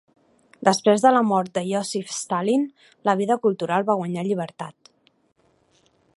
Després de la mort de Ióssif Stalin, la vida cultural va guanyar llibertat.